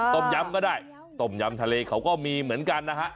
ต้มยำก็ได้ต้มยำทะเลเขาก็มีเหมือนกันนะฮะ